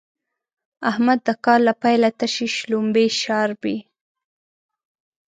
احمد د کال له پيله تشې شلومبې شاربي.